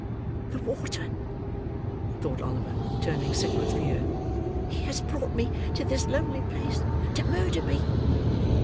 "The water!" thought Oliver, turning sick with fear. "He has brought me to this lonely place to murder me!"